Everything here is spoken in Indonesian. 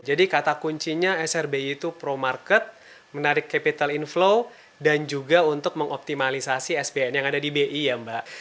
jadi kata kuncinya srbi itu pro market menarik capital inflow dan juga untuk mengoptimalisasi sbn yang ada di bi ya mbak